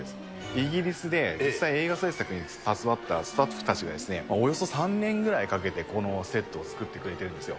イギリスで実際、映画製作に携わったスタッフたちが、およそ３年ぐらいかけてこのセットを作ってくれてるんですよ。